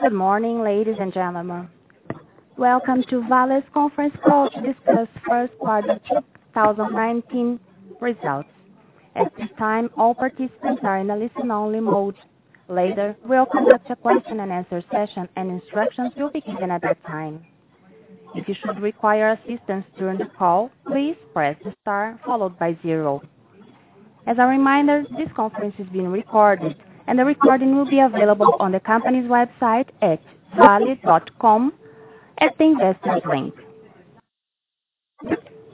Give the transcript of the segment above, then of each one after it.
Good morning, ladies and gentlemen. Welcome to Vale's conference call to discuss first quarter 2019 results. At this time, all participants are in a listen-only mode. Later, we'll conduct a question and answer session, and instructions will be given at that time. If you should require assistance during the call, please press star followed by zero. As a reminder, this conference is being recorded, and the recording will be available on the company's website at vale.com at the investor's link.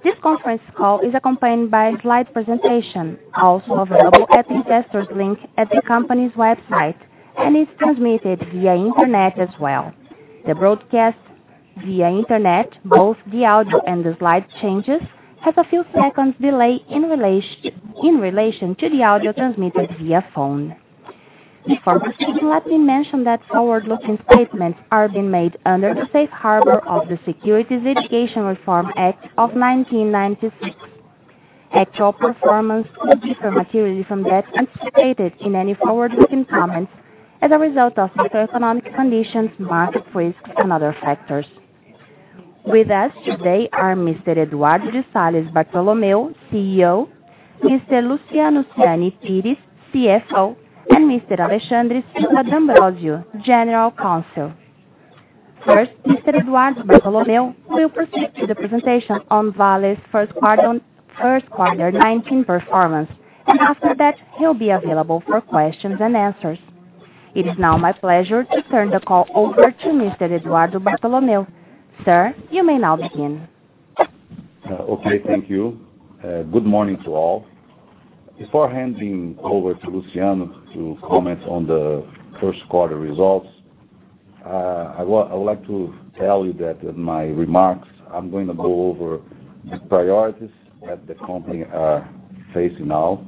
This conference call is accompanied by a slide presentation, also available at the investor's link at the company's website, and is transmitted via internet as well. The broadcast via internet, both the audio and the slide changes, has a few seconds delay in relation to the audio transmitted via phone. Before we begin, let me mention that forward-looking statements are being made under the safe harbor of the Private Securities Litigation Reform Act of 1995. Actual performance may differ materially from that anticipated in any forward-looking comments as a result of macroeconomic conditions, market risks, and other factors. With us today are Mr. Eduardo de Salles Bartolomeo, CEO, Mr. Luciano Siani Pires, CFO, and Mr. Alexandre Silva D'Ambrosio, General Counsel. First, Mr. Eduardo Bartolomeo will proceed to the presentation on Vale's first quarter 2019 performance, and after that, he'll be available for questions and answers. It is now my pleasure to turn the call over to Mr. Eduardo Bartolomeo. Sir, you may now begin. Okay. Thank you. Good morning to all. Before handing over to Luciano to comment on the first quarter results, I would like to tell you that in my remarks, I'm going to go over the priorities that the company are facing now,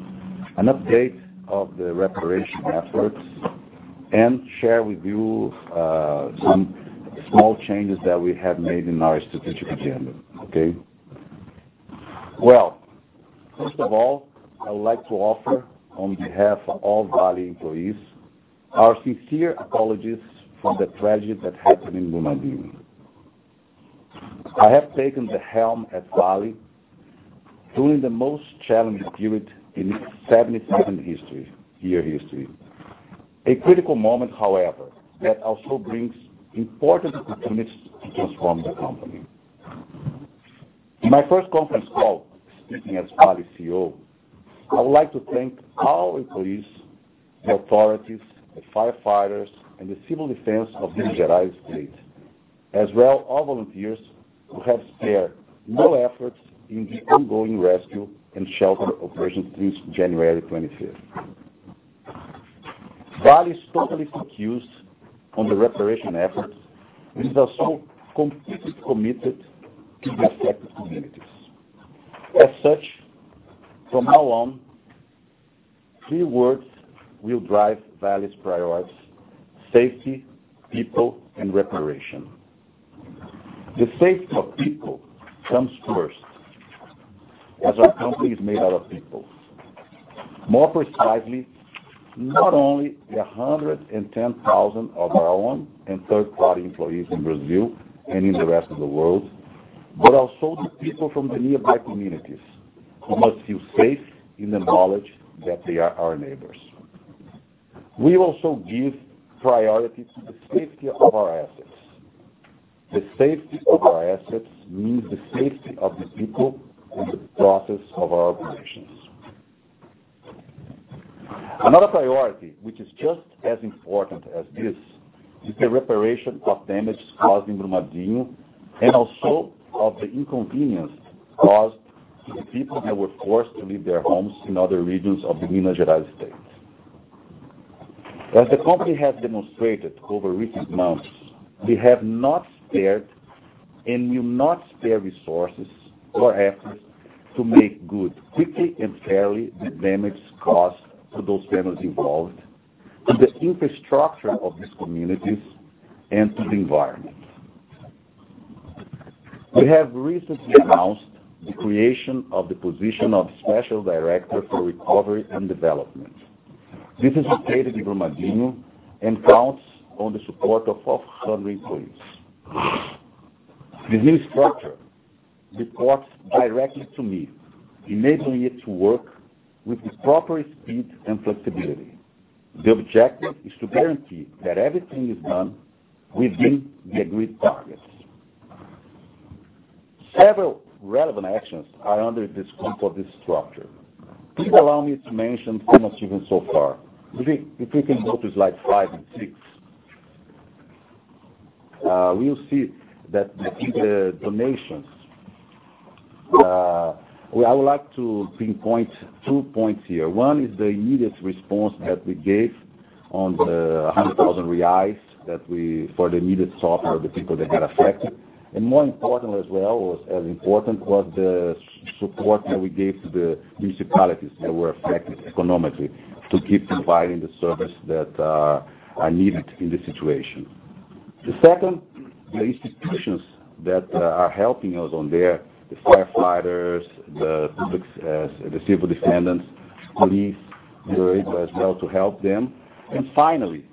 an update of the reparation efforts, and share with you some small changes that we have made in our strategic agenda. Okay? Well, first of all, I would like to offer, on behalf of all Vale employees, our sincere apologies for the tragedy that happened in Brumadinho. I have taken the helm at Vale during the most challenging period in its 77-year history. A critical moment, however, that also brings important opportunities to transform the company. In my first conference call speaking as Vale CEO, I would like to thank all employees, the authorities, the firefighters and the civil defense of Minas Gerais State, as well all volunteers who have spared no efforts in the ongoing rescue and shelter operations since January 25th. Vale is totally focused on the reparation efforts. We are so completely committed to the affected communities. As such, from now on, three words will drive Vale's priorities, safety, people, and reparation. The safety of people comes first, as our company is made out of people. More precisely, not only the 110,000 of our own and third-party employees in Brazil and in the rest of the world, but also the people from the nearby communities who must feel safe in the knowledge that they are our neighbors. We also give priority to the safety of our assets. The safety of our assets means the safety of the people in the process of our operations. Another priority, which is just as important as this, is the reparation of damage caused in Brumadinho, and also of the inconvenience caused to the people that were forced to leave their homes in other regions of the Minas Gerais state. As the company has demonstrated over recent months, we have not spared and will not spare resources or efforts to make good quickly and fairly the damage caused to those families involved, to the infrastructure of these communities, and to the environment. We have recently announced the creation of the position of Special Director for Recovery and Development. This is located in Brumadinho and counts on the support of our employees. This new structure reports directly to me, enabling it to work with the proper speed and flexibility. The objective is to guarantee that everything is done within the agreed targets. Several relevant actions are under the scope of this structure. Please allow me to mention some achievements so far. If we can go to slide five and six. We'll see that in the donations, I would like to pinpoint two points here. One is the immediate response that we gave on the 100,000 reais for the immediate support for the people that got affected, and more important as well, or as important, was the support that we gave to the municipalities that were affected economically to keep providing the service that are needed in this situation. The second, the institutions that are helping us on there, the firefighters, the public defenders, police, we were able as well to help them. Finally,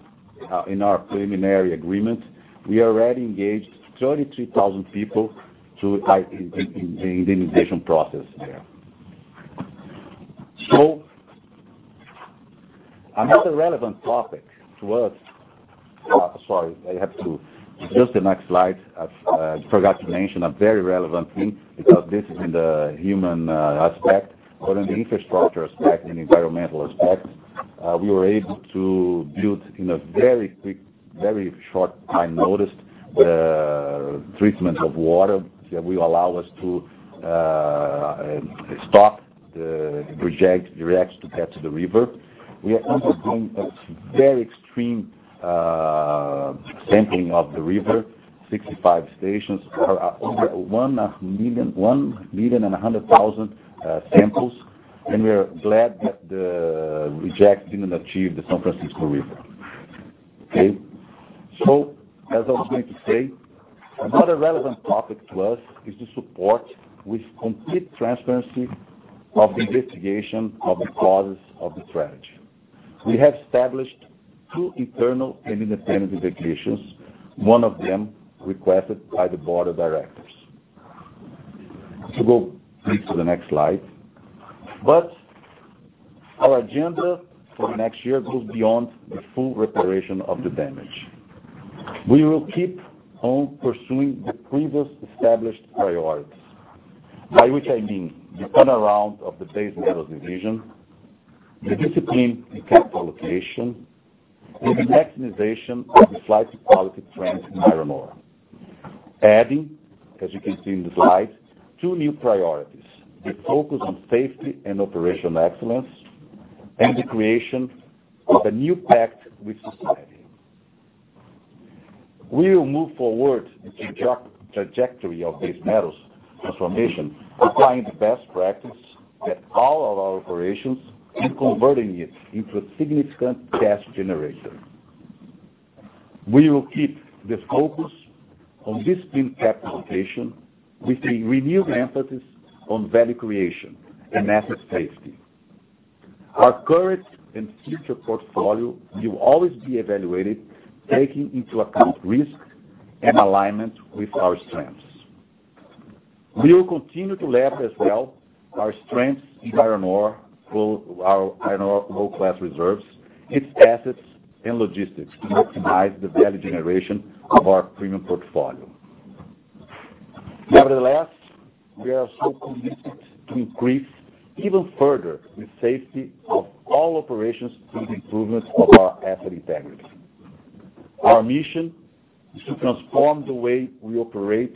in our preliminary agreement, we already engaged 33,000 people to the indemnification process there. Another relevant topic to us Sorry, I have to adjust the next slide. I forgot to mention a very relevant thing, because this is in the human aspect or in the infrastructure aspect and environmental aspect. We were able to build in a very quick, very short time notice, the treatment of water that will allow us to stop the rejects to get to the river. We are also doing a very extreme sampling of the river, 65 stations, over 1,100,000 samples. We are glad that the rejects didn't achieve the São Francisco River. Okay? As I was going to say, another relevant topic to us is the support with complete transparency of the investigation of the causes of the tragedy. We have established two internal and independent investigations, one of them requested by the board of directors. Go please to the next slide. Our agenda for next year goes beyond the full reparation of the damage. We will keep on pursuing the previous established priorities. By which I mean the turnaround of the base metals division, the discipline in capital allocation, and the maximization of the flight to quality trend in iron ore. Adding, as you can see in the slide, two new priorities, the focus on safety and operational excellence, and the creation of a new pact with society. We will move forward the trajectory of base metals transformation, applying the best practice that all of our operations, and converting it into a significant cash generator. We will keep the focus on disciplined capital allocation with a renewed emphasis on value creation and asset safety. Our current and future portfolio will always be evaluated taking into account risk and alignment with our strengths. We will continue to lever as well our strengths in iron ore through our iron ore low-cost reserves, its assets and logistics to maximize the value generation of our premium portfolio. Nevertheless, we are also committed to increase even further the safety of all operations through the improvements of our asset integrity. Our mission is to transform the way we operate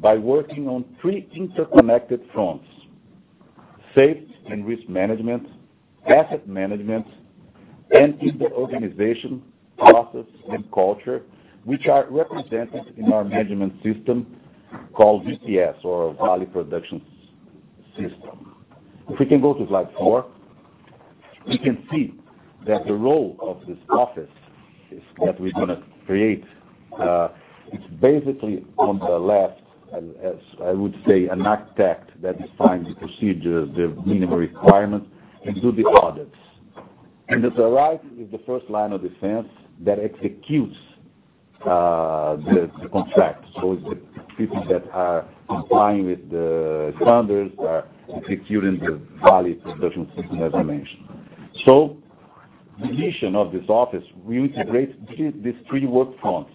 by working on three interconnected fronts, safety and risk management, asset management, and in the organization, process, and culture, which are represented in our management system called VPS, or Vale Production System. If we can go to slide four, we can see that the role of this office that we're going to create, it's basically on the left, as I would say, an architect that defines the procedure, the minimum requirement, and do the audits. To the right is the first line of defense that executes the contract. It's the people that are complying with the standards, that are executing the Vale Production System, as I mentioned. The mission of this office will integrate these three work fronts.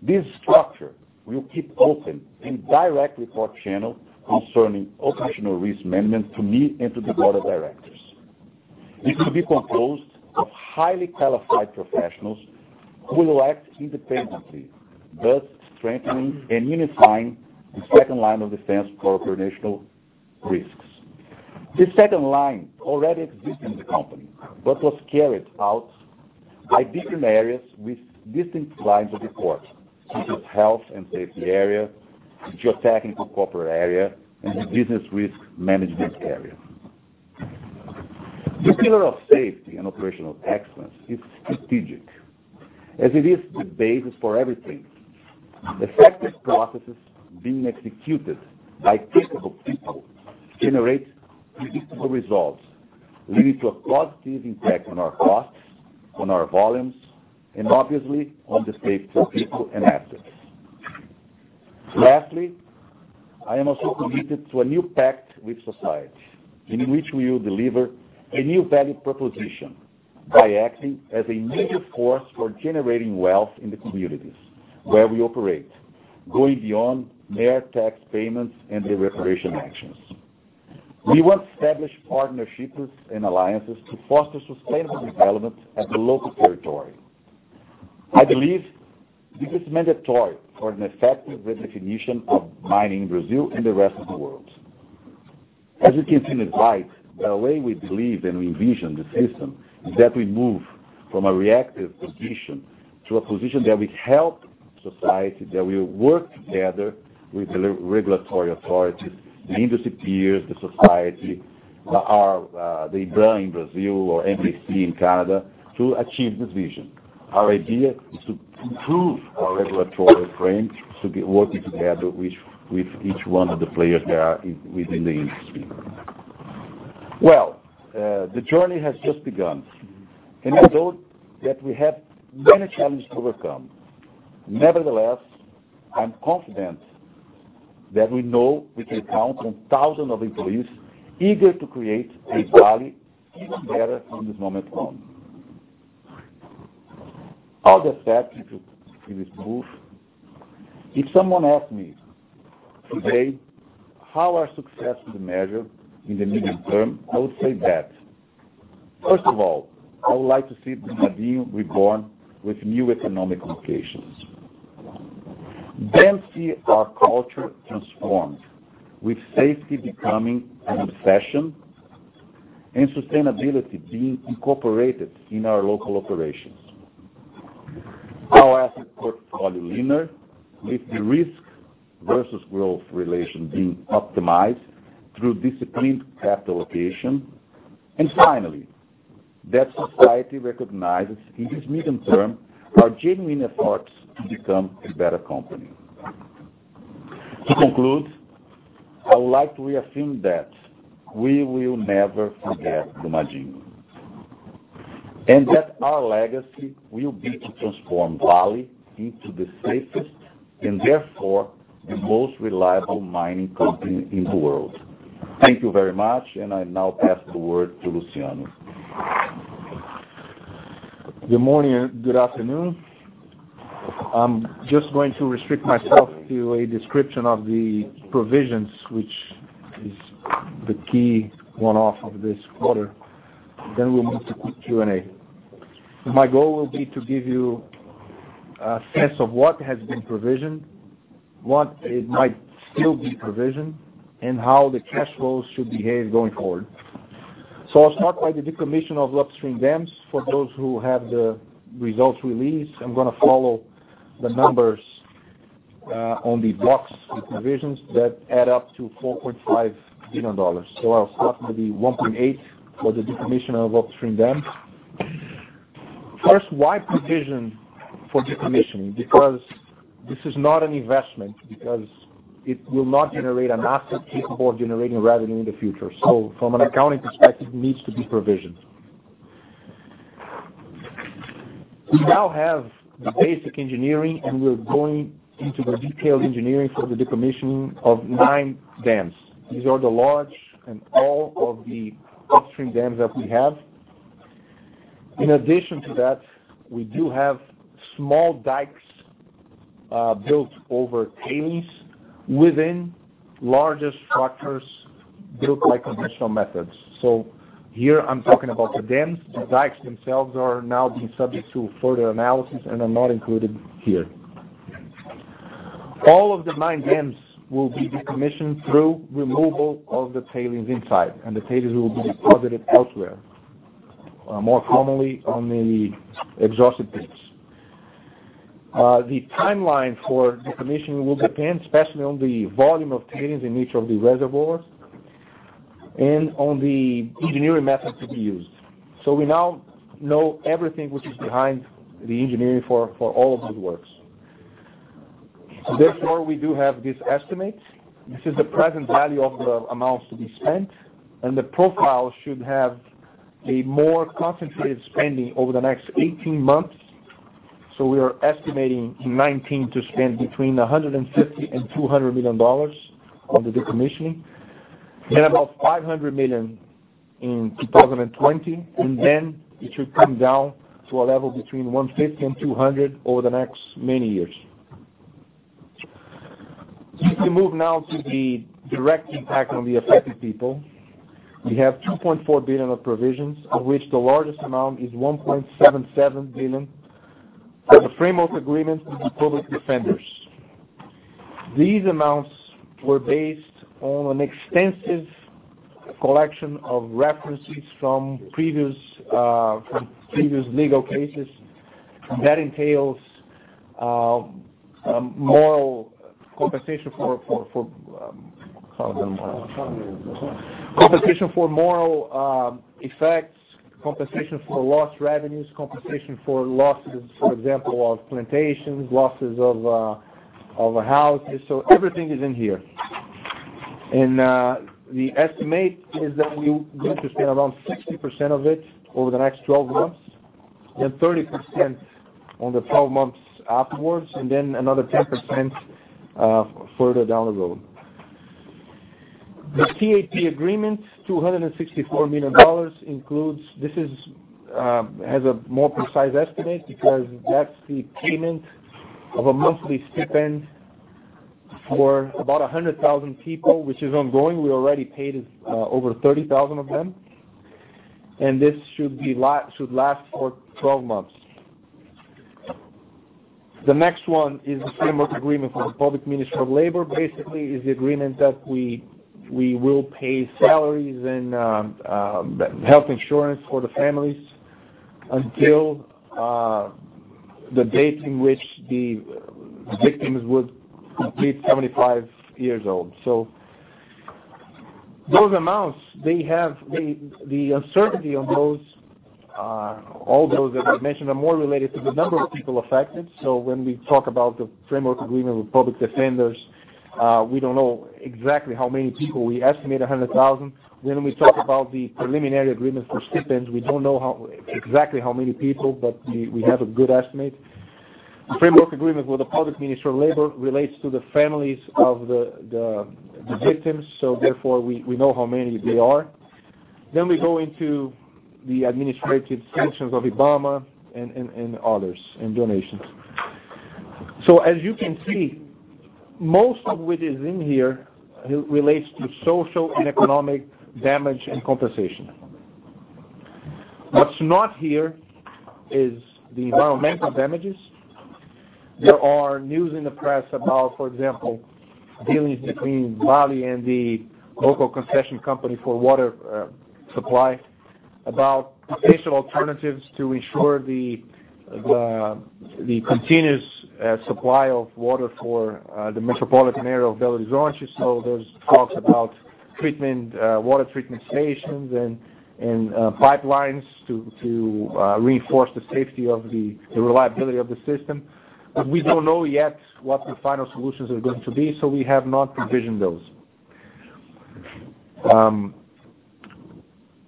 This structure will keep open and direct report channel concerning operational risk management to me and to the board of directors. It will be composed of highly qualified professionals who will act independently, thus strengthening and unifying the second line of defense for operational risks. This second line already exists in the company, but was carried out by different areas with distinct lines of report, such as health and safety area, geotech and corporate area, and the business risk management area. The pillar of safety and operational excellence is strategic, as it is the basis for everything. Effective processes being executed by capable people generates predictable results, leading to a positive impact on our costs, on our volumes, and obviously on the safety of people and assets. Lastly, I am also committed to a new pact with society, in which we will deliver a new value proposition by acting as a leading force for generating wealth in the communities where we operate, going beyond mere tax payments and the reparation actions. We will establish partnerships and alliances to foster sustainable development at the local territory. I believe this is mandatory for an effective redefinition of mining in Brazil and the rest of the world. As you can see in the slide, the way we believe and we envision the system is that we move from a reactive position to a position that will help society, that will work together with the regulatory authorities, the industry peers, the society or the IBRAM in Brazil or MAC in Canada to achieve this vision. Our idea is to improve our regulatory frame to be working together with each one of the players there within the industry. The journey has just begun, and I thought that we have many challenges to overcome. Nevertheless, I'm confident that we know we can count on thousands of employees eager to create a Vale even better from this moment on. All the steps need to be improved. If someone asked me today how our success will measure in the medium term, I would say that, first of all, I would like to see Brumadinho reborn with new economic locations. Then see our culture transformed, with safety becoming an obsession and sustainability being incorporated in our local operations. Our asset portfolio leaner with the risk versus growth relation being optimized through disciplined capital allocation. Finally, that society recognizes in this medium term our genuine efforts to become a better company. To conclude, I would like to reaffirm that we will never forget Brumadinho, and that our legacy will be to transform Vale into the safest, and therefore the most reliable mining company in the world. Thank you very much, and I now pass the word to Luciano. \Good morning, good afternoon. I'm just going to restrict myself to a description of the provisions, which is the key one-off of this quarter, then we'll move to Q&A. My goal will be to give you a sense of what has been provisioned, what it might still be provisioned, and how the cash flows should behave going forward. I'll start by the decommission of upstream dams. For those who had the results released, I'm going to follow the numbers on the blocks with provisions that add up to $4.5 billion. I'll start with the $1.8 billion for the decommission of upstream dams. First, why provision for decommissioning? Because this is not an investment, because it will not generate an asset capable of generating revenue in the future. From an accounting perspective, it needs to be provisioned. We now have the basic engineering, and we're going into the detailed engineering for the decommissioning of nine dams. These are the large and all of the upstream dams that we have. In addition to that, we do have small dikes built over tailings within larger structures built like conventional methods. Here I'm talking about the dams. The dikes themselves are now being subject to further analysis and are not included here. All of the nine dams will be decommissioned through removal of the tailings inside, and the tailings will be deposited elsewhere, more commonly on the exhausted pits. The timeline for decommission will depend especially on the volume of tailings in each of the reservoirs and on the engineering methods to be used. We now know everything which is behind the engineering for all of these works. Therefore, we do have this estimate. This is the present value of the amounts to be spent, and the profile should have a more concentrated spending over the next 18 months. We are estimating in 2019 to spend between $150 million-$200 million on the decommissioning and about $500 million in 2020, and then it should come down to a level between $150 million and $200 million over the next many years. If we move now to the direct impact on the affected people, we have $2.4 billion of provisions, of which the largest amount is $1.77 billion for the framework agreement with the public defenders. These amounts were based on an extensive collection of references from previous legal cases. That entails moral compensation for How do I call them? Compensation for moral effects, compensation for lost revenues, compensation for losses, for example, of plantations, losses of houses. Everything is in here. The estimate is that we going to spend around 60% of it over the next 12 months and 30% on the 12 months afterwards, and then another 10% further down the road. The CAP agreement, BRL 264 million, has a more precise estimate because that's the payment of a monthly stipend for about 100,000 people, which is ongoing. We already paid over 30,000 of them, and this should last for 12 months. The next one is the framework agreement for the Public Ministry of Labor. Basically, is the agreement that we will pay salaries and health insurance for the families Until the date in which the victims would complete 75 years old. Those amounts, the uncertainty on all those that I mentioned are more related to the number of people affected. When we talk about the framework agreement with public defenders, we don't know exactly how many people. We estimate 100,000. We talk about the preliminary agreements for stipends. We don't know exactly how many people, but we have a good estimate. The framework agreement with the Public Ministry of Labor relates to the families of the victims, so therefore, we know how many they are. We go into the administrative sanctions of IBAMA and others, and donations. As you can see, most of what is in here relates to social and economic damage and compensation. What's not here is the environmental damages. There are news in the press about, for example, dealings between Vale and the local concession company for water supply about potential alternatives to ensure the continuous supply of water for the metropolitan area of Belo Horizonte. There's talks about water treatment stations and pipelines to reinforce the safety of the reliability of the system. We don't know yet what the final solutions are going to be, so we have not provisioned those.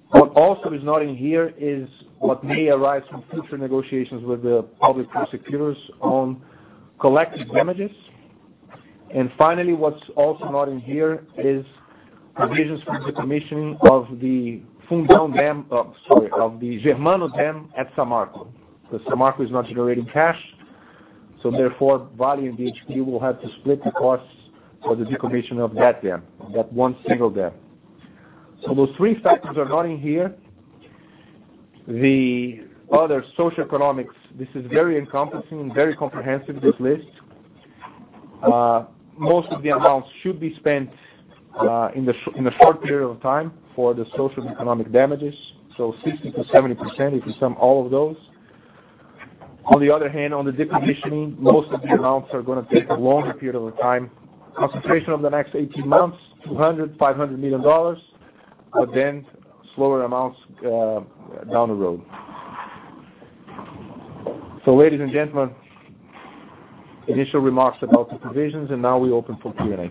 What also is not in here is what may arise from future negotiations with the public prosecutors on collective damages. Finally, what's also not in here is provisions for the decommissioning of the Germano dam at Samarco, because Samarco is not generating cash, so therefore, Vale and BHP will have to split the costs for the decommission of that dam, that one single dam. Those three factors are not in here. The other socioeconomics, this is very encompassing, very comprehensive, this list. Most of the amounts should be spent in a short period of time for the social and economic damages, so 60%-70%, if you sum all of those. On the other hand, on the decommissioning, most of the amounts are going to take a longer period of time. Concentration over the next 18 months, 200, BRL 500 million, but then slower amounts down the road. Ladies and gentlemen, initial remarks about the provisions, and now we open for Q&A.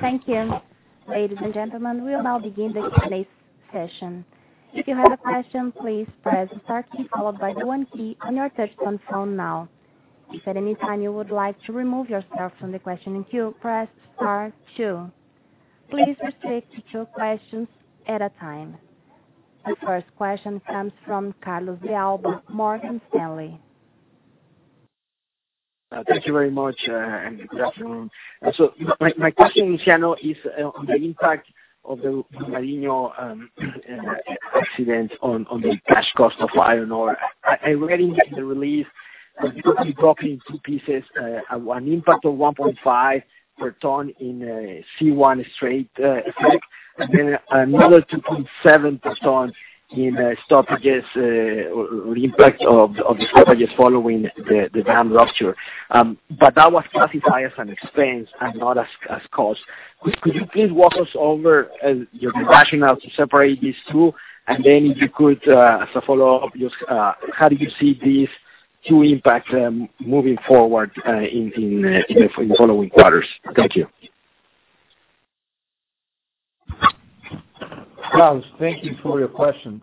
Thank you. Ladies and gentlemen, we'll now begin the Q&A session. If you have a question, please press the star key followed by the one key on your touch-tone phone now. If at any time you would like to remove yourself from the questioning queue, press star two. Please restrict to two questions at a time. The first question comes from Carlos De Alba, Morgan Stanley. Thank you very much. Good afternoon. My question, Luciano, is on the impact of the Brumadinho accident on the cash cost of iron ore. I read in the release that you broke it in two pieces, an impact of 1.5 per ton in C1 straight effect, then another 2.7 per ton in the stoppages or the impact of the stoppages following the dam rupture. That was classified as an expense and not as cost. Could you please walk us over your rationale to separate these two? If you could, as a follow-up, just how do you see these two impacts moving forward in the following quarters? Thank you. Carlos, thank you for your question.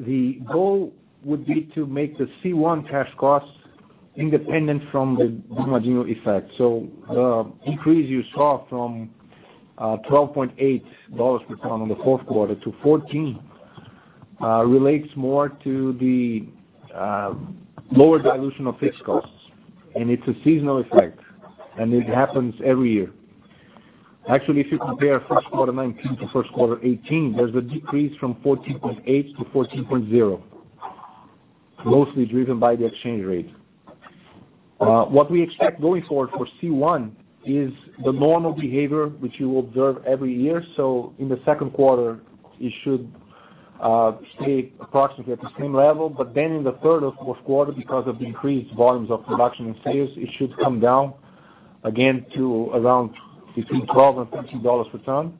The goal would be to make the C1 cash cost independent from the Brumadinho effect. The increase you saw from $12.80 per ton on the fourth quarter to $14 relates more to the lower dilution of fixed costs. It's a seasonal effect, and it happens every year. Actually, if you compare first quarter 2019 to first quarter 2018, there's a decrease from 14.8 to 14.0, mostly driven by the exchange rate. What we expect going forward for C1 is the normal behavior which you observe every year. In the second quarter, it should stay approximately at the same level. In the third or fourth quarter, because of the increased volumes of production and sales, it should come down again to around between $12 and $13 per ton.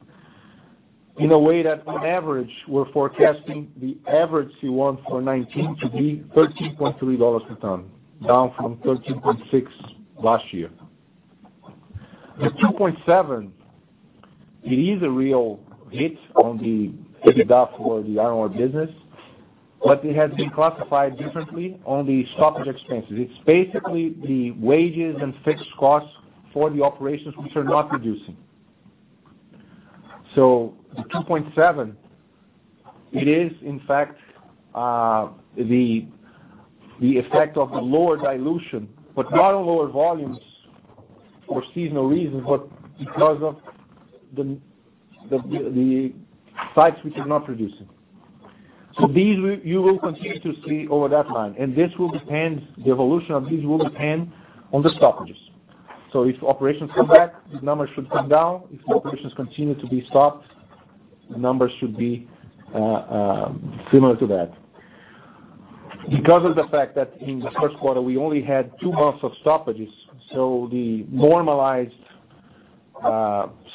In a way that on average, we're forecasting the average C1 for 2019 to be $13.3 per ton, down from $13.6 last year. The 2.7, it is a real hit on the EBITDA for the iron ore business. It has been classified differently on the stoppage expenses. It's basically the wages and fixed costs for the operations which are not producing. The 2.7, it is in fact the effect of the lower dilution, not on lower volumes for seasonal reasons, but because of the sites which are not producing. So these, you will continue to see over that line, the evolution of these will depend on the stoppages. If operations come back, these numbers should come down. If operations continue to be stopped, the numbers should be similar to that. Because of the fact that in the first quarter, we only had two months of stoppages. The normalized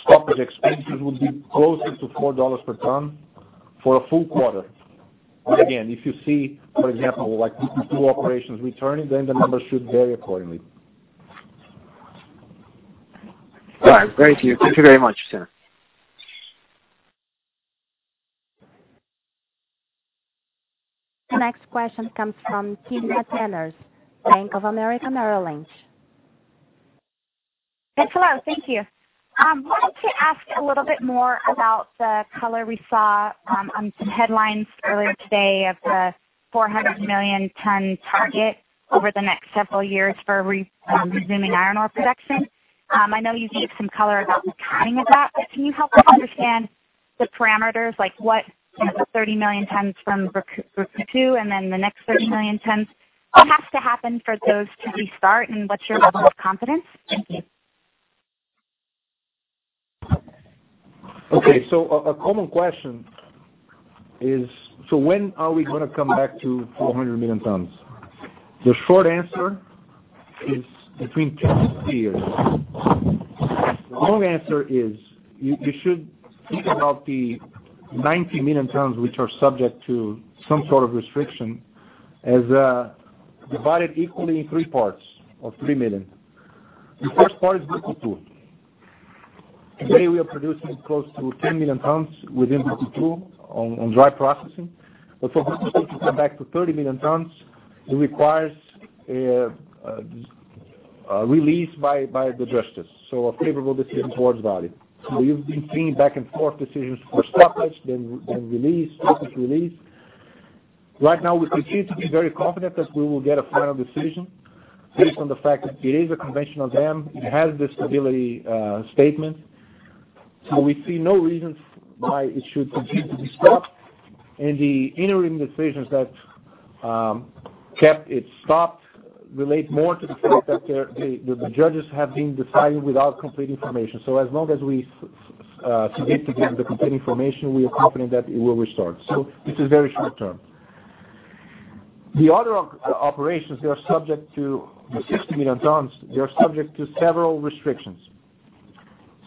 stoppage expenses would be closer to BRL 4 per ton for a full quarter. Again, if you see, for example, two operations returning, then the numbers should vary accordingly. All right. Great. Thank you very much, sir. The next question comes from Timna Tanners, Bank of America Merrill Lynch. Yes, hello. Thank you. I wanted to ask a little bit more about the color we saw on some headlines earlier today of the 400 million ton target over the next several years for resuming iron ore production. I know you gave some color about the timing of that. Can you help us understand the parameters, like what the 30 million tons from Brumadinho, and then the next 30 million tons, what has to happen for those to restart and what's your level of confidence? Thank you. Okay. A common question is, when are we going to come back to 400 million tons? The short answer is between 2 to 3 years. The long answer is, you should think about the 90 million tons which are subject to some sort of restriction as divided equally in 3 parts of 3 million. The first part is Brumadinho. Today we are producing close to 10 million tons within Brumadinho on dry processing. For Brumadinho to come back to 30 million tons, it requires a release by the justice. A favorable decision towards Vale. We've been seeing back and forth decisions for stoppage, then release, stoppage, release. Right now, we continue to be very confident that we will get a final decision based on the fact that it is a conventional dam. It has the stability statement. We see no reasons why it should continue to be stopped, and the interim decisions that kept it stopped relate more to the fact that the judges have been deciding without complete information. As long as we submit to them the complete information, we are confident that it will restart. This is very short term. The other operations, the 60 million tons, they are subject to several restrictions.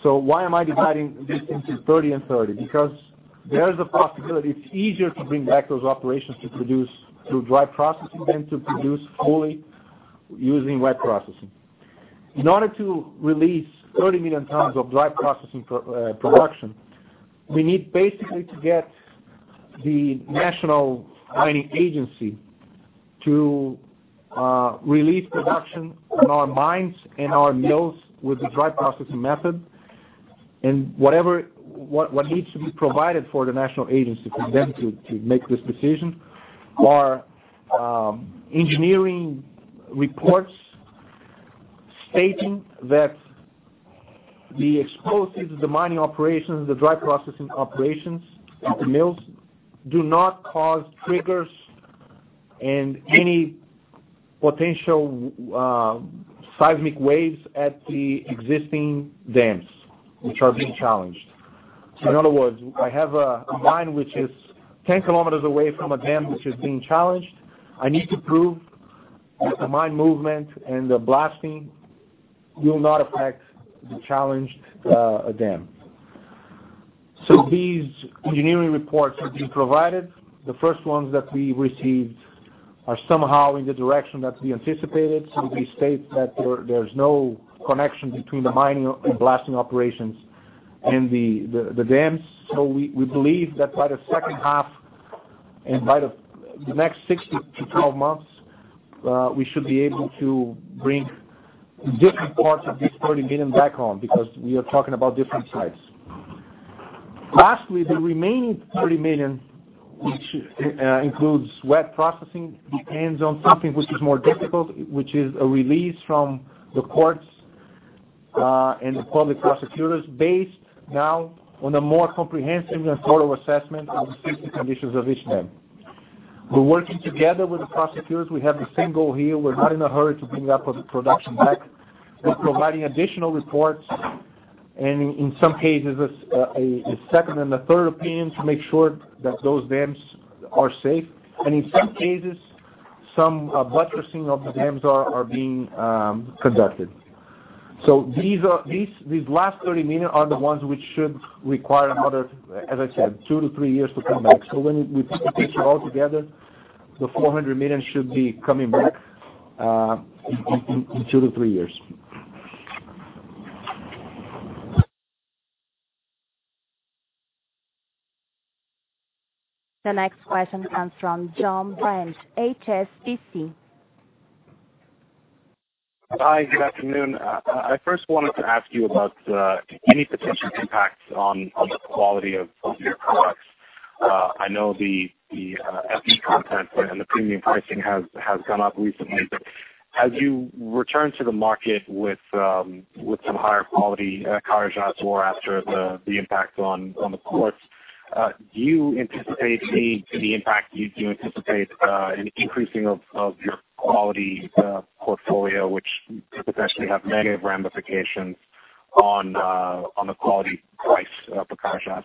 Why am I dividing this into 30 and 30? Because there is a possibility it's easier to bring back those operations to produce through dry processing than to produce fully using wet processing. In order to release 30 million tons of dry processing production, we need basically to get the National Mining Agency to release production in our mines and our mills with the dry processing method. What needs to be provided for the National Agency for them to make this decision are engineering reports stating that the explosives, the mining operations, the dry processing operations at the mills do not cause triggers and any potential seismic waves at the existing dams which are being challenged. In other words, I have a mine which is 10 kilometers away from a dam which is being challenged. I need to prove that the mine movement and the blasting will not affect the challenged dam. These engineering reports are being provided. The first ones that we received are somehow in the direction that we anticipated. They state that there's no connection between the mining and blasting operations and the dams. We believe that by the second half and by the next 6 to 12 months, we should be able to bring different parts of this 30 million back on because we are talking about different sites. Lastly, the remaining 30 million, which includes wet processing, depends on something which is more difficult, which is a release from the courts, and the public prosecutors based now on a more comprehensive and thorough assessment of the safety conditions of each dam. We're working together with the prosecutors. We have the same goal here. We're not in a hurry to bring that production back. We're providing additional reports, and in some cases, a second and a third opinion to make sure that those dams are safe. In some cases, some buttressing of the dams are being conducted. These last 30 million are the ones which should require another, as I said, 2 to 3 years to come back. When we put the picture all together, the 400 million should be coming back in 2 to 3 years. The next question comes from Jon Brandt, HSBC. Hi. Good afternoon. I first wanted to ask you about any potential impacts on the quality of your products. I know the FE content and the premium pricing has come up recently, as you return to the market with some higher quality Carajás ore after the impact on the ports, do you anticipate any increasing of your quality portfolio, which could potentially have negative ramifications on the quality price for Carajás?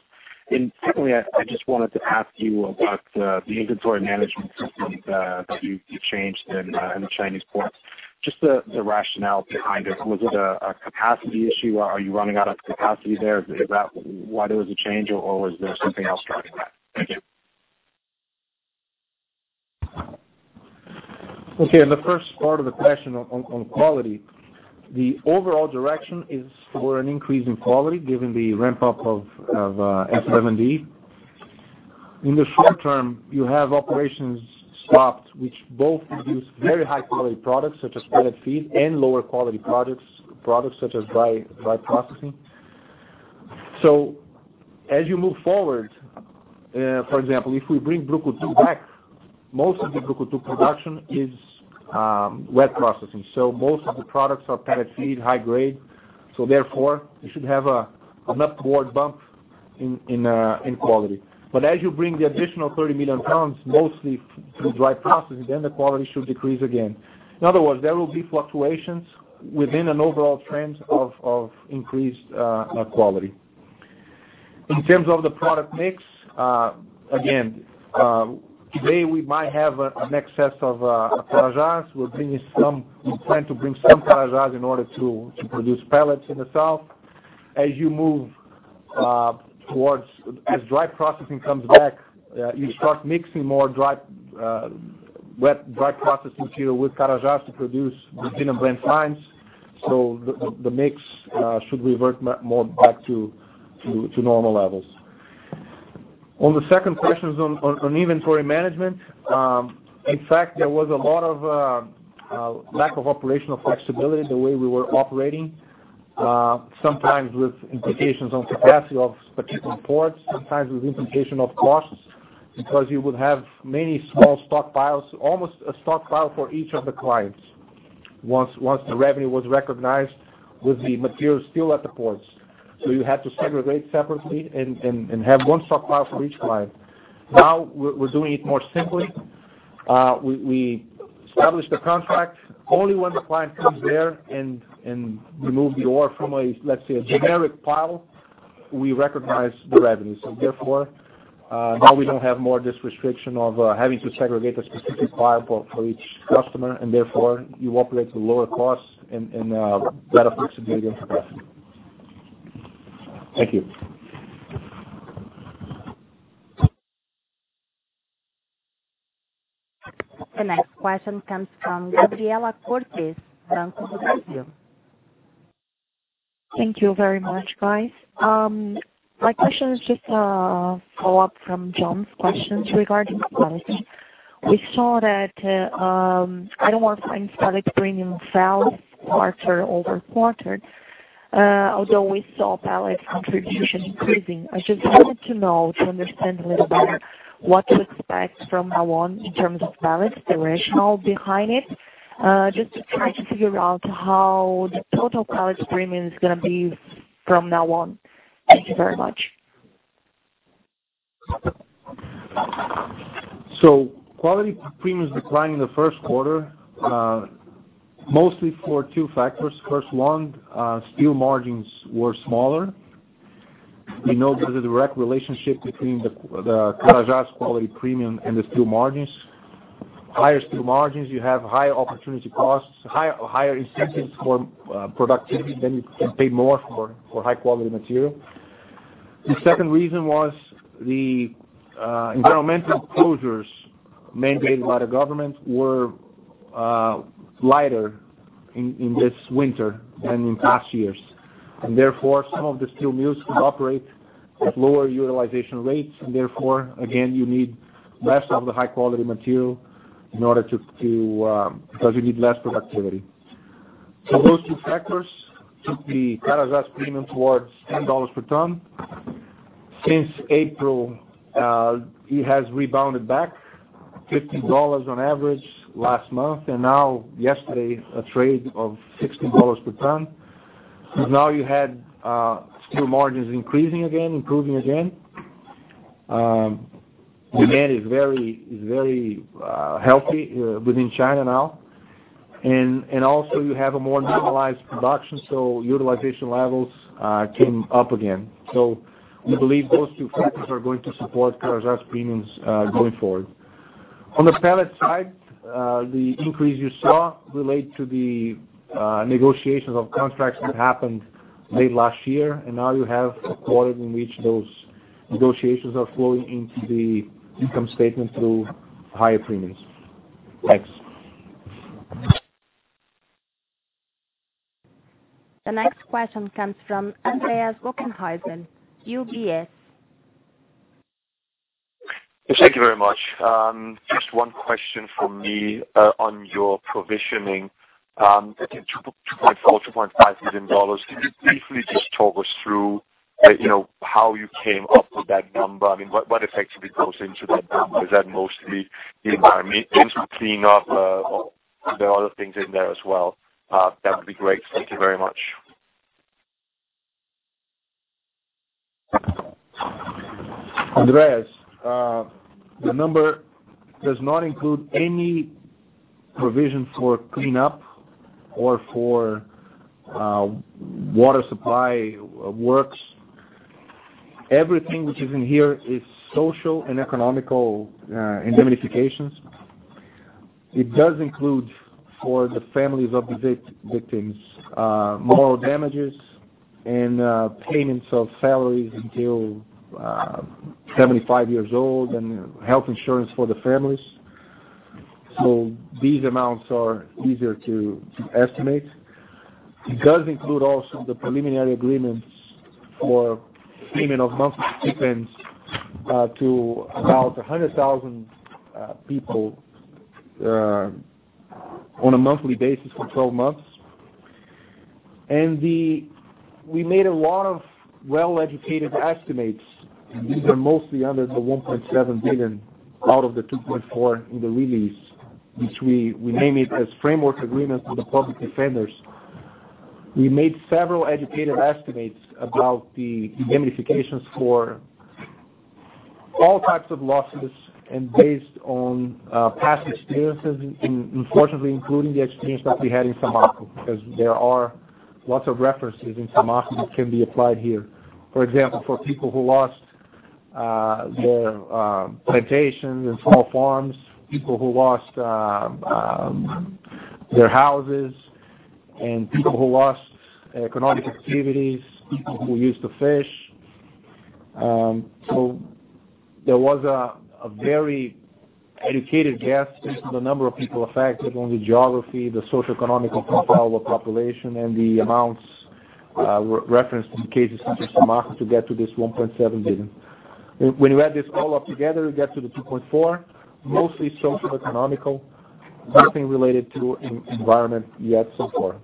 Secondly, I just wanted to ask you about the inventory management systems that you've changed in the Chinese ports. Just the rationale behind it. Was it a capacity issue? Are you running out of capacity there? Is that why there was a change, or was there something else driving that? Thank you. Okay, on the first part of the question on quality, the overall direction is for an increase in quality given the ramp-up of S11D. In the short term, you have operations stopped, which both produce very high-quality products such as pellet feed, and lower quality products such as dry processing. As you move forward, for example, if we bring Brucutu back, most of the Brucutu production is wet processing. Most of the products are pellet feed, high grade. Therefore, you should have an upward bump in quality. As you bring the additional 30 million tons, mostly through dry processing, then the quality should decrease again. In other words, there will be fluctuations within an overall trend of increased quality. In terms of the product mix, again, today we might have an excess of Carajás. We plan to bring some Carajás in order to produce pellets in the south. As dry processing comes back, you start mixing more wet-dry processing material with Carajás to produce the blend fines. The mix should revert more back to normal levels. On the second question on inventory management. In fact, there was a lot of lack of operational flexibility the way we were operating, sometimes with implications on capacity of particular ports, sometimes with implication of costs. Because you would have many small stockpiles, almost a stockpile for each of the clients. Once the revenue was recognized with the material still at the ports. You had to segregate separately and have one stockpile for each client. Now we're doing it more simply. We establish the contract. Only when the client comes there and remove the ore from, let's say, a generic pile, we recognize the revenue. Therefore, now we don't have more this restriction of having to segregate a specific pile for each customer, and therefore you operate at a lower cost and better flexibility for customers. Thank you. The next question comes from Gabriela Cortez, Banco do Brasil. Thank you very much, guys. My question is just a follow-up from Jon's questions regarding quality. We saw that iron ore fine pellet premium fell quarter-over-quarter. Although we saw pellet contribution increasing. I just wanted to know to understand a little better what to expect from now on in terms of pellets, the rationale behind it. Just to try to figure out how the total pellet premium is going to be from now on. Thank you very much. Quality premiums declined in the first quarter, mostly for two factors. First one, steel margins were smaller. We know there's a direct relationship between the Carajás quality premium and the steel margins. Higher steel margins, you have higher opportunity costs, higher incentives for productivity. You can pay more for high-quality material. The second reason was the environmental closures mandated by the government were lighter in this winter than in past years. Therefore, some of the steel mills could operate at lower utilization rates. Therefore, again, you need less of the high-quality material because you need less productivity. Those two factors took the Carajás premium towards BRL 10 per ton. Since April, it has rebounded back, BRL 15 on average last month, and now yesterday, a trade of BRL 16 per ton. Because now you had steel margins increasing again, improving again. Demand is very healthy within China now. Also, you have a more normalized production, so utilization levels came up again. We believe those two factors are going to support Carajás premiums going forward. On the pellet side, the increase you saw relate to the negotiations of contracts that happened late last year. Now you have a quarter in which those negotiations are flowing into the income statement through higher premiums. Thanks. The next question comes from Andreas Bokkenheuser, UBS. Thank you very much. Just one question from me on your provisioning. Again, $2.4 billion, $2.5 billion. Can you briefly just talk us through how you came up with that number. What effectively goes into that number? Is that mostly the environment into cleanup or are there other things in there as well? That would be great. Thank you very much. Andreas, the number does not include any provision for cleanup or for water supply works. Everything which is in here is social and economical indemnifications. It does include, for the families of the victims, moral damages and payments of salaries until 75 years old, and health insurance for the families. These amounts are easier to estimate. It does include also the preliminary agreements for payment of monthly stipends to about 100,000 people on a monthly basis for 12 months. We made a lot of well-educated estimates. These are mostly under the $1.7 billion out of the $2.4 in the release, which we name it as framework agreements with the public defenders. We made several educated estimates about the indemnifications for all types of losses, and based on past experiences, unfortunately including the experience that we had in Samarco, because there are lots of references in Samarco that can be applied here. For example, for people who lost their plantations and small farms, people who lost their houses, and people who lost economic activities, people who used to fish. There was a very educated guess into the number of people affected on the geography, the socioeconomic profile of the population, and the amounts referenced in cases such as Samarco to get to this $1.7 billion. When you add this all up together, you get to the $2.4, mostly socioeconomical, nothing related to environment yet so far.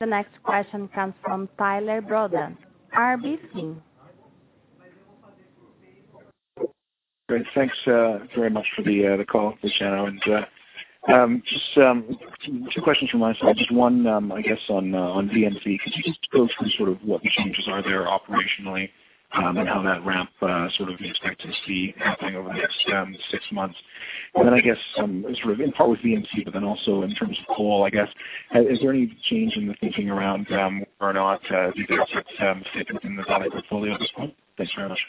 The next question comes from Tyler Broda, RBC. Great. Thanks very much for the call this channel. Just two questions from my side. Just one, I guess on VNC. Could you just go through sort of what the changes are there operationally? How that ramp sort of you expect to see happening over the next six months? Then I guess, sort of in part with VNC, but then also in terms of coal, I guess, is there any change in the thinking around or not these assets staying within the Vale portfolio at this point? Thanks very much.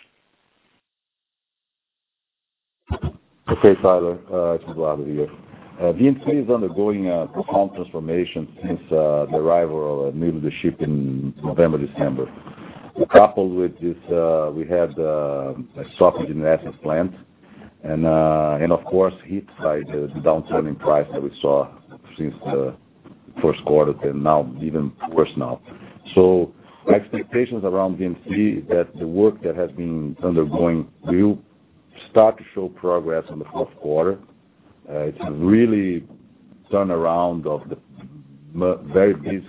Okay, Tyler. It's Eduardo here. VNC is undergoing a profound transformation since the arrival of a new leadership in November, December. Coupled with this, we had a sulfuric acid plant, and of course nickel side, the downturn in price that we saw since the first quarter, and now even worse now. The expectations around VNC is that the work that has been undergoing will start to show progress on the fourth quarter. It's really turnaround of the very basic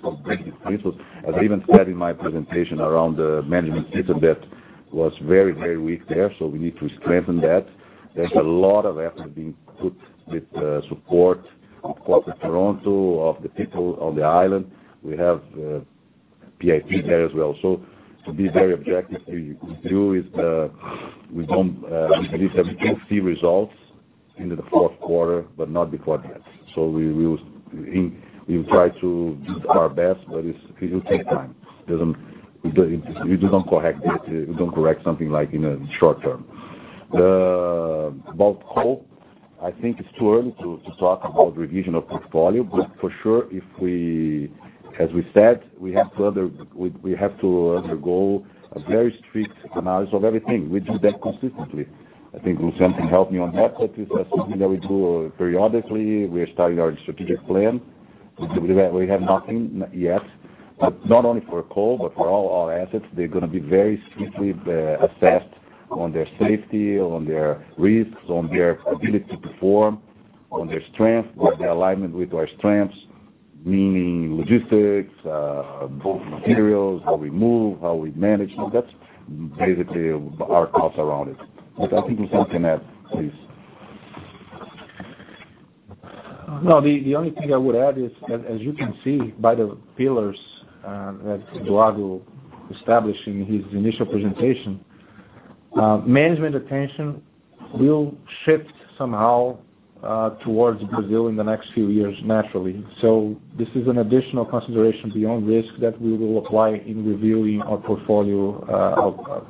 principles. As I even said in my presentation around the management system, that was very weak there, so we need to strengthen that. There's a lot of effort being put with support of Port Colborne, of the people on the island. We have PIP there as well. To be very objective with you, we believe have to see results into the fourth quarter, but not before yet. We will try to do our best, but it will take time. We don't correct something like in a short term. About coal, I think it's too early to talk about revision of portfolio, but for sure, as we said, we have to undergo a very strict analysis of everything. We do that consistently. I think Luciano Siani can help me on that, but it's something that we do periodically. We are starting our strategic plan. We have nothing yet, not only for coal, but for all our assets. They're going to be very strictly assessed on their safety, on their risks, on their ability to perform, on their strength, on their alignment with our strengths, meaning logistics, materials, how we move, how we manage. That's basically our thoughts around it. I think Luciano Siani can add, please. No, the only thing I would add is that as you can see by the pillars that Eduardo established in his initial presentation, management attention will shift somehow towards Brazil in the next few years, naturally. This is an additional consideration beyond risk that we will apply in reviewing our portfolio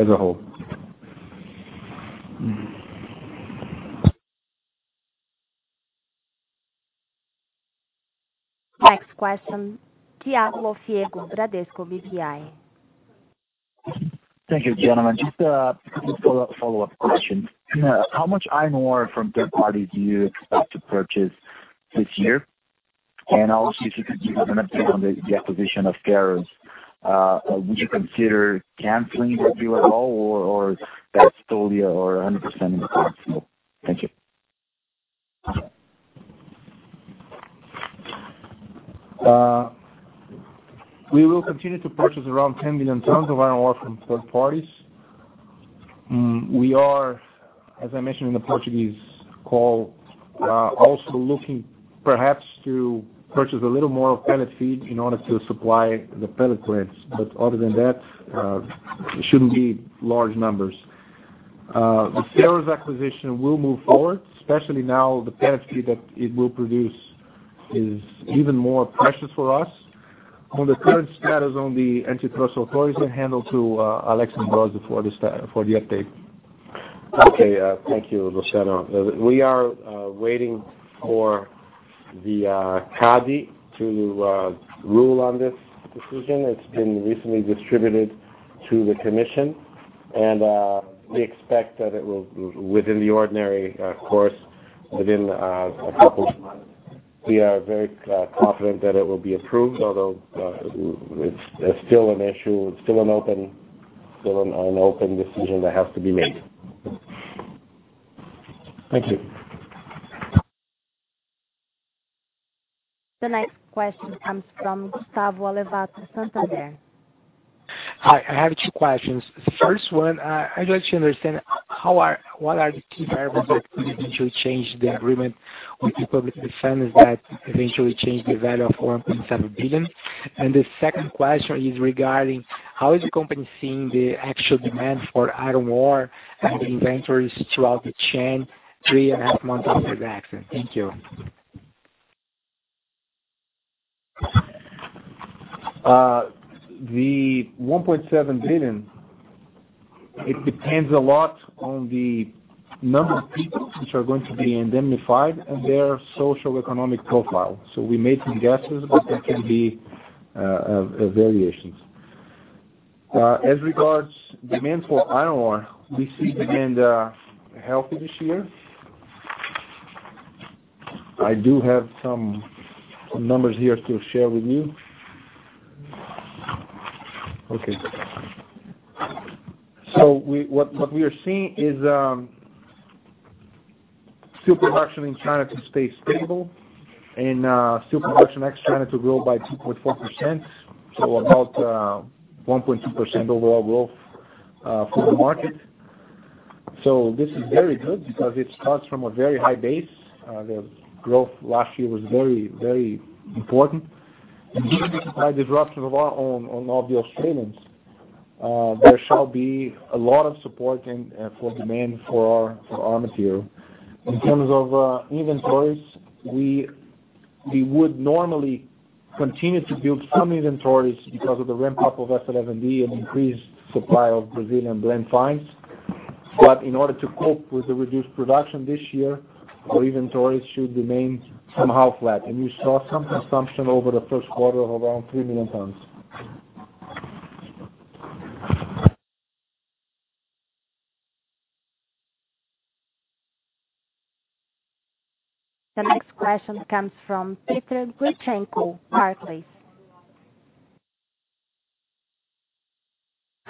as a whole. Next question, Thiago Lofiego, Bradesco BBI. Thank you, gentlemen. Just a quick follow-up question. How much iron ore from third parties do you expect to purchase this year? Also if you could give an update on the acquisition of Ferrous. Would you consider canceling the deal at all, or that's still your 100% in place? Thank you. We will continue to purchase around 10 million tons of iron ore from third parties. We are, as I mentioned in the Portuguese call, also looking perhaps to purchase a little more pellet feed in order to supply the pellet plants. Other than that, it shouldn't be large numbers. The Ferrous acquisition will move forward, especially now the pellet feed that it will produce is even more precious for us. On the current status on the antitrust authorities, I hand over to Alexandre for the update. Okay. Thank you, Luciano. We are waiting for the CADE to rule on this decision. It's been recently distributed to the commission, and we expect that it will, within the ordinary course, within a couple of months. We are very confident that it will be approved, although it's still an open decision that has to be made. Thank you. The next question comes from Gustavo Allevato, Santander. Hi, I have two questions. First one, I'd like to understand what are the key variables that could eventually change the agreement with the public defenders that eventually change the value of $1.7 billion. The second question is regarding how is the company seeing the actual demand for iron ore and the inventories throughout the chain three and a half months after the accident? Thank you. The $1.7 billion, it depends a lot on the number of people which are going to be indemnified and their socioeconomic profile. We made some guesses, but there can be variations. As regards demand for iron ore, we see demand healthy this year. I do have some numbers here to share with you. Okay. What we are seeing is steel production in China to stay stable and steel production ex-China to grow by 2.4%, about 1.2% overall growth for the market. This is very good because it starts from a very high base. The growth last year was very important. Given the supply disruption on all the Australians, there shall be a lot of support for demand for our material. In terms of inventories, we would normally continue to build some inventories because of the ramp-up of S11D and increased supply of Brazilian Blend Fines. In order to cope with the reduced production this year, our inventories should remain somehow flat. You saw some consumption over the first quarter of around three million tons. The next question comes from Petr Grishchenko, Barclays.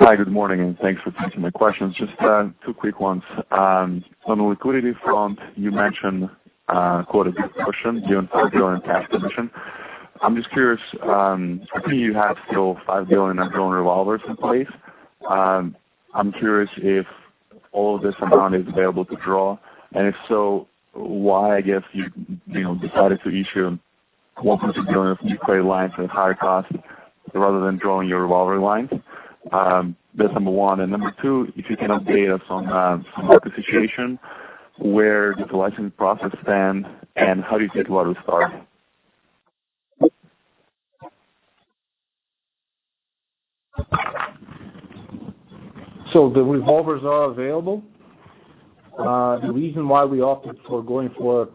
Hi, good morning, thanks for taking the questions. Just two quick ones. On the liquidity front, you mentioned quite a big cushion, 5 billion cash position. I'm just curious, I think you have still 5 billion of drawing revolvers in place. I'm curious if all of this amount is available to draw, and if so, why, I guess you decided to issue BRL 1.6 billion of new credit lines at a higher cost rather than drawing your revolver lines. That's number one. Number two, if you can update us on the situation. Where does the licensing process stand, and how do you get the water started? The revolvers are available. The reason why we opted for going for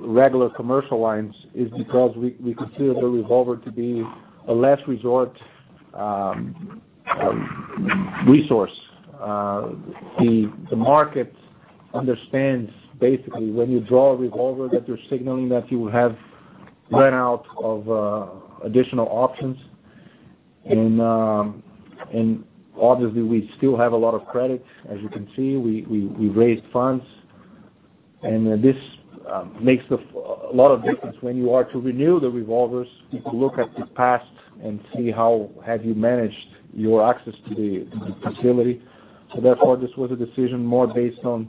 regular commercial lines is because we consider the revolver to be a last resort resource. The market understands basically when you draw a revolver that you're signaling that you have run out of additional options. Obviously we still have a lot of credit. As you can see, we raised funds. This makes a lot of difference when you are to renew the revolvers. People look at the past and see how have you managed your access to the facility. Therefore, this was a decision more based on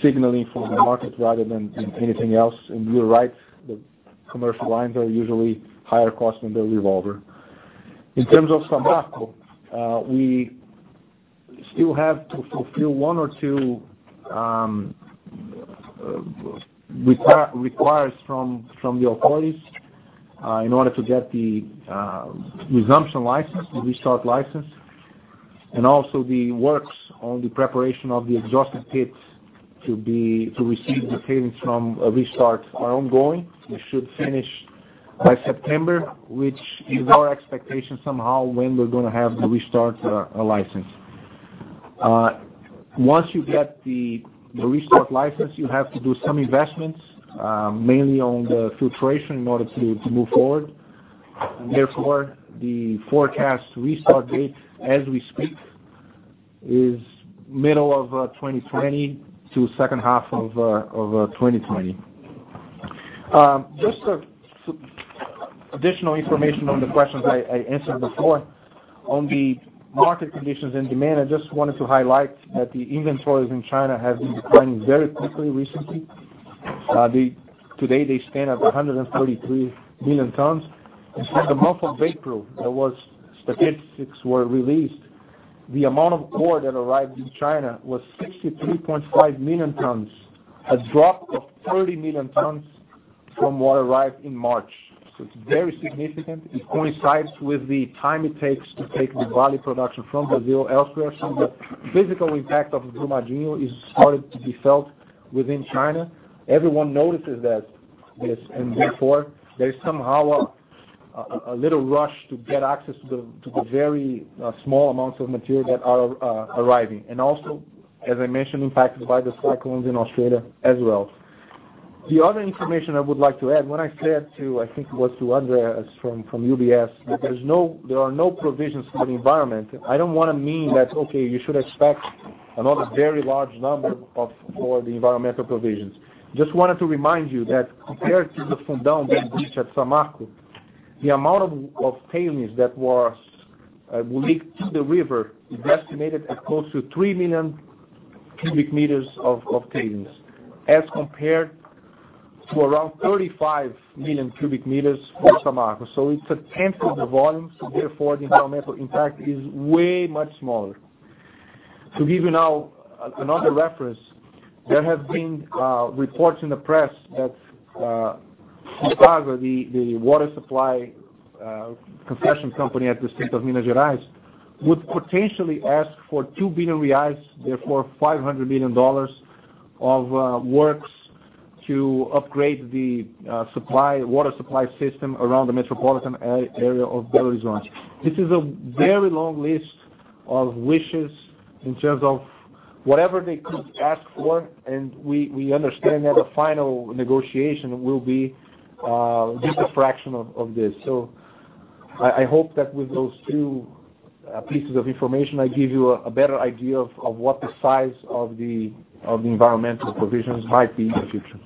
signaling for the market rather than anything else. You're right, the commercial lines are usually higher cost than the revolver. In terms of Samarco, we still have to fulfill one or two requirements from the authorities in order to get the resumption license, the restart license. Also the works on the preparation of the exhausted pits to receive the tailings from a restart are ongoing. We should finish by September, which is our expectation somehow when we're going to have the restart license. Once you get the restart license, you have to do some investments, mainly on the filtration in order to move forward. Therefore, the forecast restart date as we speak is middle of 2020 to second half of 2020. Just additional information on the questions I answered before. On the market conditions and demand, I just wanted to highlight that the inventories in China have been declining very quickly recently. Today they stand at 133 million tons. In the month of April, statistics were released, the amount of ore that arrived in China was 63.5 million tons, a drop of 30 million tons from what arrived in March. It's very significant. It coincides with the time it takes to take the Vale production from Brazil elsewhere. The physical impact of Brumadinho is started to be felt within China. Everyone notices that this, and therefore, there is somehow a little rush to get access to the very small amounts of material that are arriving. Also, as I mentioned, impacted by the cyclones in Australia as well. The other information I would like to add, when I said to, I think it was to Andreas from UBS, that there are no provisions for the environment. I don't want to mean that, okay, you should expect another very large number for the environmental provisions. Just wanted to remind you that compared to the Fundão dam breach at Samarco, the amount of tailings that was leaked to the river is estimated at close to 3 million cubic meters of tailings, as compared to around 35 million cubic meters for Samarco. It's a 10th of the volume, therefore the environmental impact is way much smaller. To give you now another reference, there have been reports in the press that Copasa, the water supply concession company at the state of Minas Gerais would potentially ask for 2 billion reais, therefore $500 million of works to upgrade the water supply system around the metropolitan area of Belo Horizonte. This is a very long list of wishes in terms of whatever they could ask for, and we understand that a final negotiation will be just a fraction of this. I hope that with those two pieces of information, I give you a better idea of what the size of the environmental provisions might be in the future.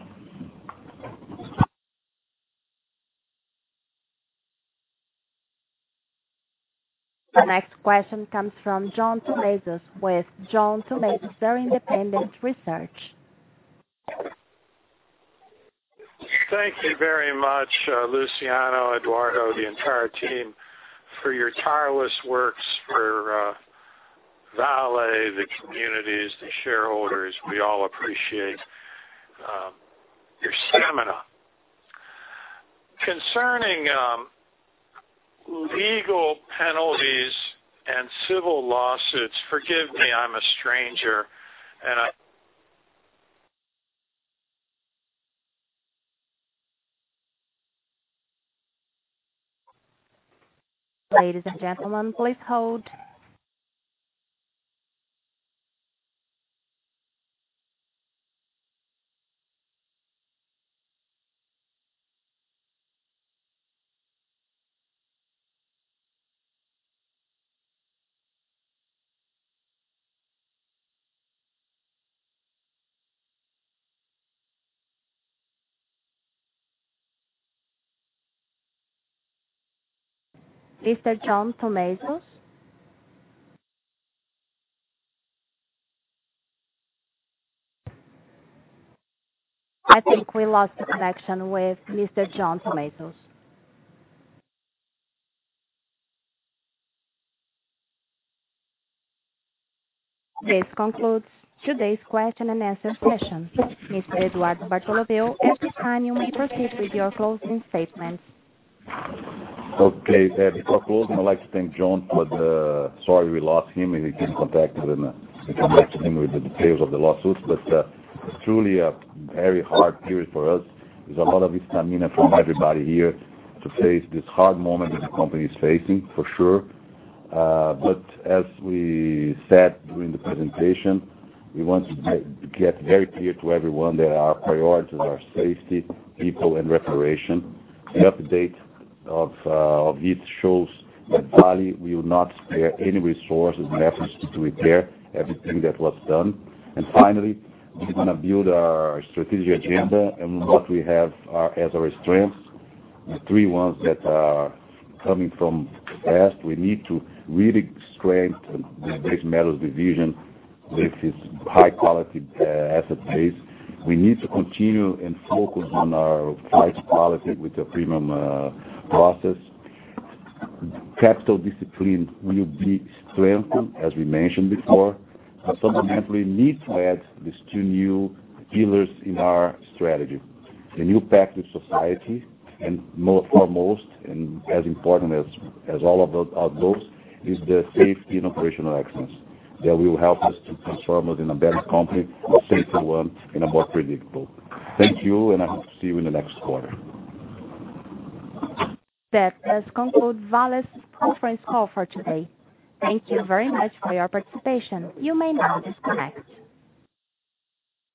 The next question comes from John Tumazos with John Tumazos Very Independent Research. Thank you very much, Luciano, Eduardo, the entire team for your tireless works for Vale, the communities, the shareholders. We all appreciate your stamina. Concerning legal penalties and civil lawsuits, forgive me, I'm a stranger and. Ladies and gentlemen, please hold. Mr. John Tumazos? I think we lost the connection with Mr. John Tumazos. This concludes today's question and answer session. Mr. Eduardo Bartolomeo, at this time you may proceed with your closing statements. Before closing, I'd like to thank John. Sorry we lost him. We didn't contact him with the details of the lawsuits, truly a very hard period for us. There's a lot of stamina from everybody here to face this hard moment that the company is facing, for sure. As we said during the presentation, we want to get very clear to everyone that our priorities are safety, people, and restoration. The update of it shows that Vale will not spare any resources and efforts to repair everything that was done. Finally, we're going to build our strategic agenda and what we have as our strengths. The three ones that are coming from the past. We need to really strengthen the Base Metals Division with its high-quality asset base. We need to continue and focus on our price policy with the premium process. Capital discipline will be strengthened, as we mentioned before. Fundamentally, need to add these two new pillars in our strategy, the new pact with society and foremost, and as important as all of those, is the safety and operational excellence that will help us to transform us in a better company, a safer one, and a more predictable. Thank you. I hope to see you in the next quarter. That does conclude Vale's conference call for today. Thank you very much for your participation. You may now disconnect.